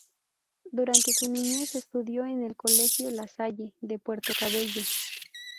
Durante su niñez estudió en el colegio La Salle de Puerto Cabello.